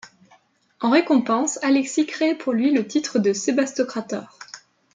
En récompense, Alexis crée pour lui le titre de sébastokrator.